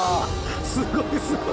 すごいすごい。